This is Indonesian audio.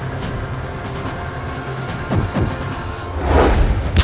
jangan mengusahakan tuhan